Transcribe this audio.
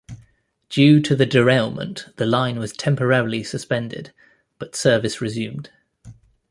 Due to the derailment the line was temporarily suspended, but service resumed.